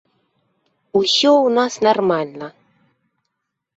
Усё ў нас нармальна.